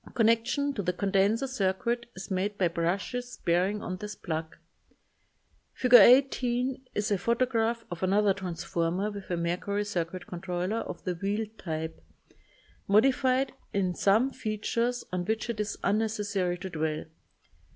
Connection to the con denser circuit is made by brushes bearing on this plug. Fig. 18 is a photograph of another trans former with a mercury circuit controller of the wheel type, modified in some features on which it is unnecessary to dwell.